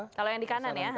kalau yang di kanan ya